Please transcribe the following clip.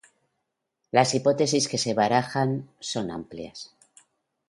Las hipótesis que se barajan son amplias.